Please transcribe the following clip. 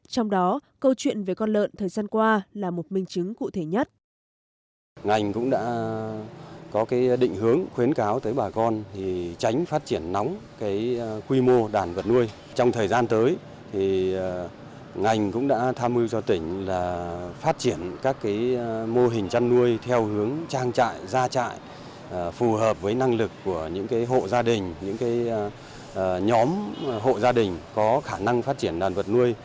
trong đó câu chuyện về con lợn thời gian qua là một minh chứng cụ thể nhất